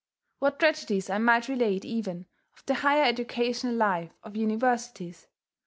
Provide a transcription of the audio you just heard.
What tragedies I might relate even of the higher educational life of universities!